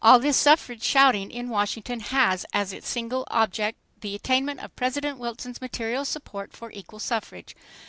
. All this suffrage shouting in Washington has as its single object the attainment of President Wilson's material support for equal suffrage